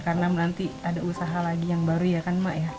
karena nanti ada usaha lagi yang baru ya kan mak ya